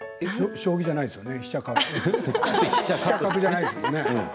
将棋じゃないですね。